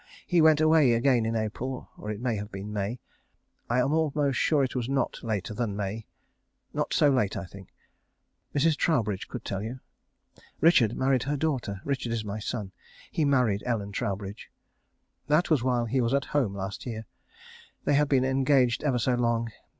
He went away again in April, or it might have been May. I am almost sure it was not later than May. Not so late I think. Mrs. Troubridge could tell you. Richard married her daughter. Richard is my son. He married Ellen Troubridge. That was while he was at home last year. They had been engaged ever so long.